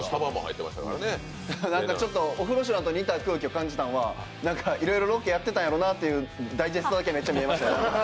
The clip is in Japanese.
ちょっとオフロシュランと似た空気を感じたのは、いろいろロケやってたんやろうなというダイジェストだけ見えました。